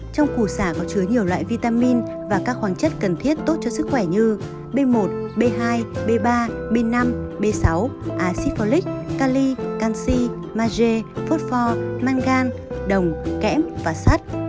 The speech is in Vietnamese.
trong củ sả có chứa nhiều loại vitamin và các khoáng chất cần thiết tốt cho sức khỏe như b một b hai b ba b năm b sáu acifolic cali canxi mage phosphor mangan đồng kém và sắt